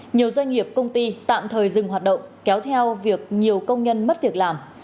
nhiều doanh nghiệp công ty tạm thời dừng hoạt động kéo theo việc nhiều công nhân mất việc làm